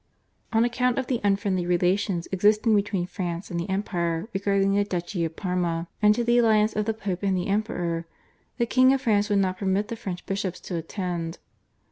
On account of the unfriendly relations existing between France and the Empire regarding the Duchy of Parma, and to the alliance of the Pope and the Emperor, the King of France would not permit the French bishops to attend.